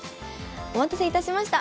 お待たせいたしました。